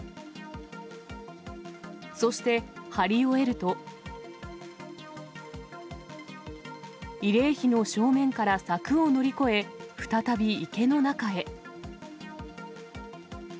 そして貼り終えると、慰霊碑の正面から柵を乗り越え、再び池の中へ。